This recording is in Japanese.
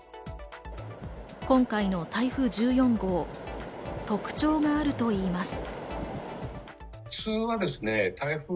今回の台風１４号、特徴があるといいます。